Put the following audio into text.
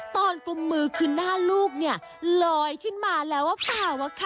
ตอนปุ่มมือขึ้นหน้าลูกเนี่ยลอยขึ้นมาแล้วป่าวค่ะ